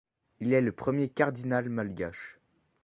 Il est le premier cardinal malgache.